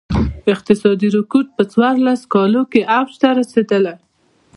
اقتصادي رکود په څوارلس کالو کې اوج ته رسېدلی.